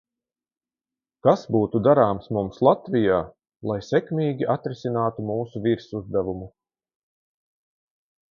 Kas būtu darāms mums Latvijā, lai sekmīgi atrisinātu mūsu virsuzdevumu?